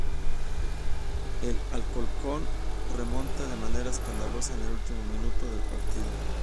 El Alcorcón remonta de manera escandalosa en el último minuto del partido.